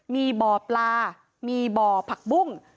มีบ่อปลามีบ่อผักบุ้ง